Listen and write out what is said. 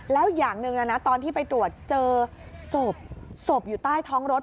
แล้วอย่างหนึ่งนะตอนที่ไปตรวจเจอศพศพอยู่ใต้ท้องรถ